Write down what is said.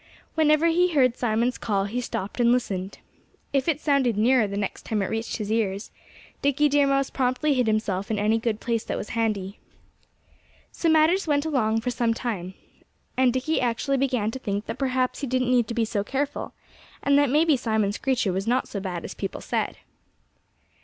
Whenever he heard Simon's call he stopped and listened. If it sounded nearer the next time it reached his ears, Dickie Deer Mouse promptly hid himself in any good place that was handy. So matters went along for some time. And Dickie actually began to think that perhaps he didn't need to be so careful, and that maybe Simon Screecher was not so bad as people said.